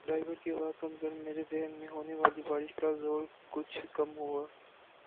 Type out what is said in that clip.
driver کی آواز سے میرے ذہن میں ہونے والی بار ش کا زور کچھ کم ہوا